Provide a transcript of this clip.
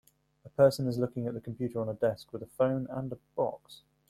A person is looking at the computer on a desk with a phone and a box.